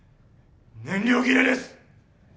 燃料切れです。